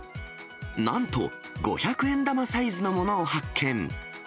なんと、五百円玉サイズのものを発見。